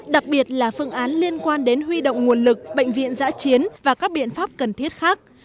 đặc biệt là phương án liên quan đến huy động nguồn lực bệnh viện giã chiến và các biện pháp cần thiết khác